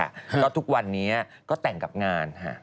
ก็ทุกวันนี้ก็แต่งกับงานค่ะ